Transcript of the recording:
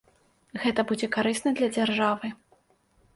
Гэта будзе карысна для дзяржавы.